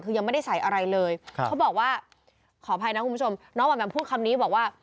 คือยังไม่ได้ใส่อะไรเลยเขาบอกว่าขออภัยนะคุณผู้ชมน้องแหม่มพูดคำนี้บอกว่า